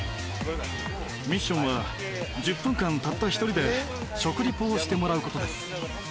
ミッションは１０分間たった１人で食リポをしてもらう事です。